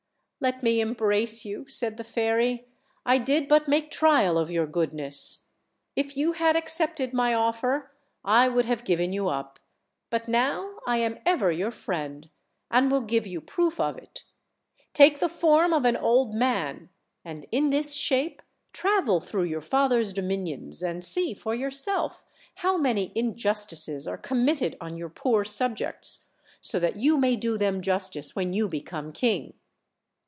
''Let me embrace you," said the fairy; "I did but make trial of your goodness. If you had accepted nr: offer I would have given you up; but now I am evei your friend, and will give you proof of it. Take the form of an old man, and in this shape travel through your father's dominions, and see for yourself how many in justices are committed on your poor subjects, so that you may do them justice when you become king.